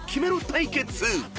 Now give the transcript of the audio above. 対決］